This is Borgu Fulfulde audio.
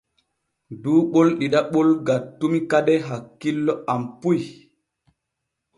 Duu ɓol ɗiɗaɓol gattumi kade hakkilo am puy.